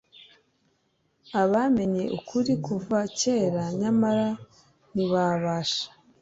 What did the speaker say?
Abamenye ukuri kuva kera, nyamara ntibabashe